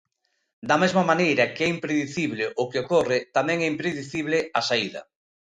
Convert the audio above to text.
Da mesma maneira que é impredicible o que ocorre, tamén é impredicible a saída.